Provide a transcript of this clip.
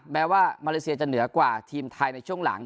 แม้ว่ามาเลเซียจะเหนือกว่าทีมไทยในช่วงหลัง